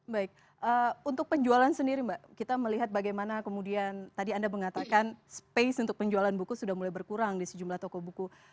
baik untuk penjualan sendiri mbak kita melihat bagaimana kemudian tadi anda mengatakan space untuk penjualan buku sudah mulai berkurang di sejumlah toko buku